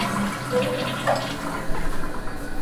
Houbo condicións?